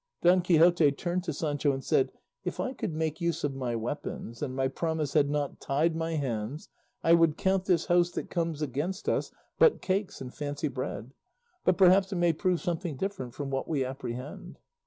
Don Quixote turned to Sancho and said, "If I could make use of my weapons, and my promise had not tied my hands, I would count this host that comes against us but cakes and fancy bread; but perhaps it may prove something different from what we apprehend."